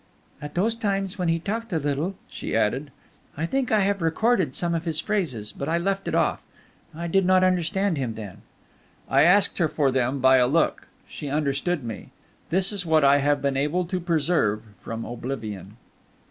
"At those times, when he talked a little," she added, "I think I have recorded some of his phrases, but I left it off; I did not understand him then." I asked her for them by a look; she understood me. This is what I have been able to preserve from oblivion.